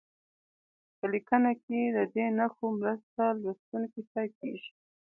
په لیکنه کې د دې نښو مرسته لوستونکي ته کیږي.